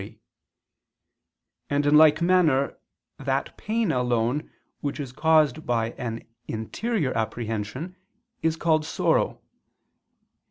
3): and in like manner that pain alone which is caused by an interior apprehension, is called sorrow.